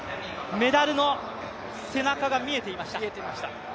メダルの背中が見えていました。